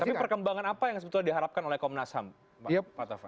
tapi perkembangan apa yang sebetulnya diharapkan oleh komnas ham pak taufan